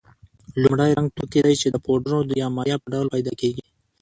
لومړی رنګه توکي دي چې د پوډرو یا مایع په ډول پیدا کیږي.